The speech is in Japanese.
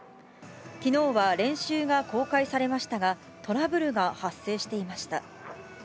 きのうは練習が公開されましたが、トラブルが発生していました。